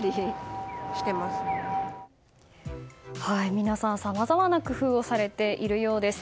皆さん、さまざまな工夫をされているようです。